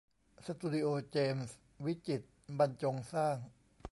สตูดิโอเจมส์วิจิตรบรรจงสร้าง